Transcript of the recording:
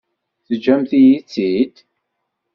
Teǧǧamt-iyi-tt-id?